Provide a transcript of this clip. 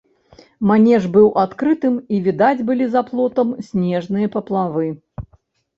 Манеж быў адкрытым, і відаць былі за плотам снежныя паплавы.